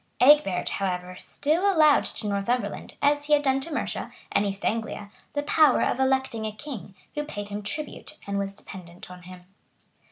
Egbert, however, still allowed to Northumberland, as he had done to Mercia, and East Anglia, the power of electing a king, who paid him tribute, and was dependent on him.